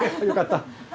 よかった。